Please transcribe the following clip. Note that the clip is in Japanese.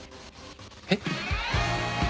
えっ？